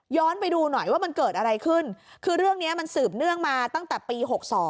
ไปดูหน่อยว่ามันเกิดอะไรขึ้นคือเรื่องนี้มันสืบเนื่องมาตั้งแต่ปี๖๒